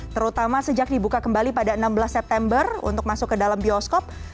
terutama sejak dibuka kembali pada enam belas september untuk masuk ke dalam bioskop